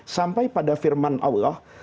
sampai pada firman allah